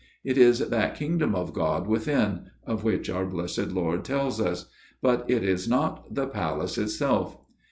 It is that Kingdom of God within, of which our Blessed Lord tells us ; but it is not the Palace itself.